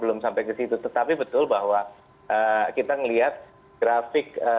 belum sampai kesitu deutschland juga yang yolong theres